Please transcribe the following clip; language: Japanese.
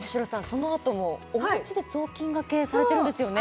その後もおうちで雑巾がけされてるんですよね？